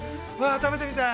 ◆食べてみたい。